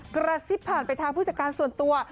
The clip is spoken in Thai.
กระซิบผ่านไปทางผู้จัดการส่วนตัว